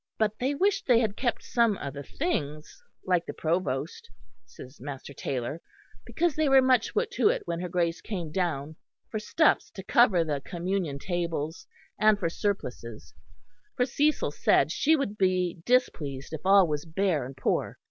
But they wished they had kept some of the things, like the Provost, says Master Taylor, because they were much put to it when her Grace came down for stuffs to cover the communion tables and for surplices, for Cecil said she would be displeased if all was bare and poor.